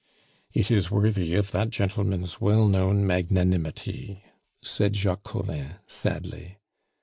"It is worthy of that gentleman's well known magnanimity," said Jacques Collin sadly.